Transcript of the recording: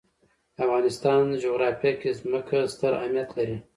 د افغانستان جغرافیه کې ځمکه ستر اهمیت لري.